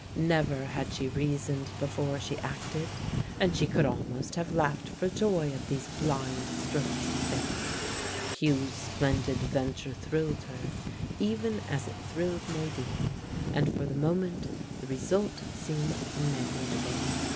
Never had she reasoned before she acted, and she could almost have laughed for joy at these blind strokes of fate. Hugh's splendid venture thrilled her, even as it thrilled Nadine, and for the moment the result seemed negligible.